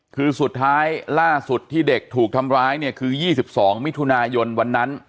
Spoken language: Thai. คือสุดท้ายล่าสุดที่เด็กถูกทำร้ายเนี่ยคือ๒๒มิถุนายนวันนั้น